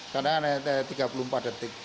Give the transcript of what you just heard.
kadang ada tiga puluh empat detik